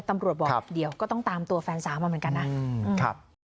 ตำรวจบอกเดี๋ยวก็ต้องตามตัวแฟนสาวมาเหมือนกันนะครับ